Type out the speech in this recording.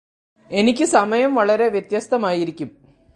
എനിക്കു സമയം വളരെ വ്യത്യസ്തമായിരിക്കും